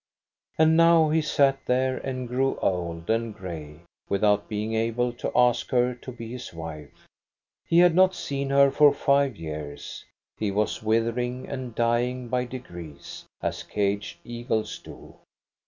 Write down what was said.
And now he sat there and grew old and gray with out being able to ask her to be his wife. He had not seen her for five years. He was withering and dying by degrees, as caged eagles do.